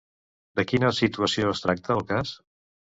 De quina situació es tracta el cas?